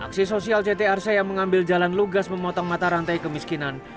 aksi sosial ct arsa yang mengambil jalan lugas memotong mata rantai kemiskinan